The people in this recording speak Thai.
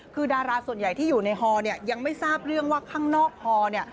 คือดาราส่วนใหญ่ที่อยู่ในฮอเนี่ยยังไม่ทราบเรื่องว่าข้างนอกฮอเนี่ย